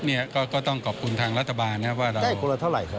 เนี่ยก็ต้องขอบคุณทางรัฐบาลนะครับว่าเราคนละเท่าไหร่ครับ